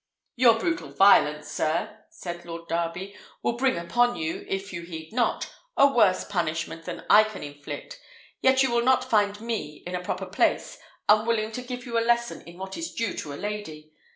"Your brutal violence, sir," said Lord Darby, "will bring upon you, if you heed not, a worse punishment than I can inflict; yet you will not find me, in a proper place, unwilling to give you a lesson on what is due to a lady.